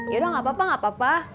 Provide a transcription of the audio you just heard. yaudah gak apa apa